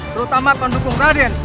terutama pendukung raden